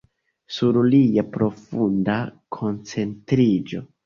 Sur lia profunda koncentriĝo.